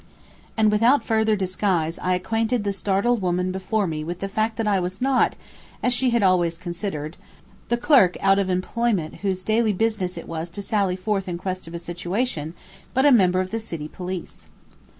And without further disguise I acquainted the startled woman before me with the fact that I was not, as she had always considered, the clerk out of employment whose daily business it was to sally forth in quest of a situation, but a member of the city police.